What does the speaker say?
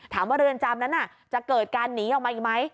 เรือนจำนั้นจะเกิดการหนีออกมาอีกไหม